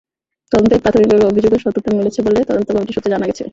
তদন্তে প্রাথমিকভাবে অভিযোগের সত্যতা মিলেছে বলে তদন্ত কমিটির সূত্রে জানা গেছে।